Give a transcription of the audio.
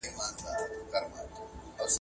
افغانستان نه طواف وکړه